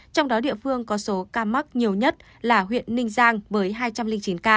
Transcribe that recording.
trong đó địa phương có số ca mắc nhiều nhất là huyện ninh giang với hai trăm linh chín ca